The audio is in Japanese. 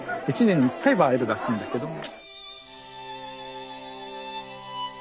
１年に１回は会えるらしいんだけども。